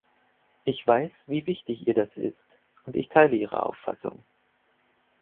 Ich weiß, wie wichtig ihr das ist, und ich teile ihre Auffassung.